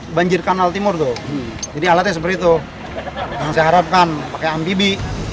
banjir kanal timur tuh jadi alatnya seperti itu yang saya harapkan pakai ambibi